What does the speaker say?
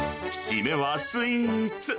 締めはスイーツ。